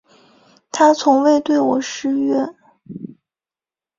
他从未对我失约